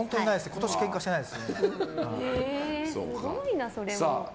今年、けんかしてないですね。